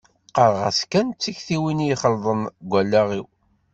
Qqareɣ-as kan d tiktiwin i ixelḍen deg wallaɣ-iw.